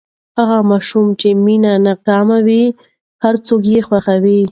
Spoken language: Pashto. هغه ماشوم چې مینه ناک وي، هر څوک یې خوښوي.